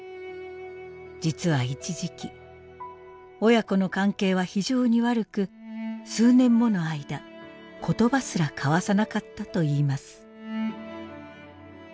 実は一時期親子の関係は非常に悪く数年もの間言葉すら交わさなかったといいます。